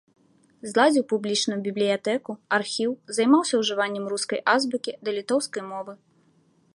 Зладзіў публічную бібліятэку, архіў, займаўся ужываннем рускай азбукі да літоўскай мовы.